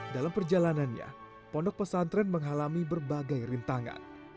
dalam perjalanannya pondok pesantren mengalami berbagai rintangan